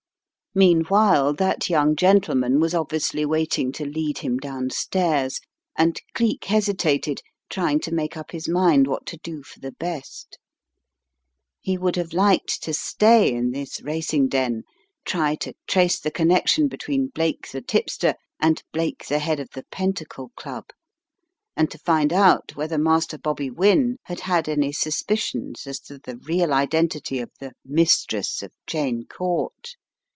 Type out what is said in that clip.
Meanwhile that young gentleman was obviously waiting to lead him downstairs, and Cleek hesitated, trying to make up his mind what to do for the best. He would have liked to stay in this racing den, try to trace the connection between Blake the tipster and Blake the head of the Pentacle Club, and to find out whether Master Bobby Wynne had had any suspicions as to the real identity of the "mistress" of Cheyne Court.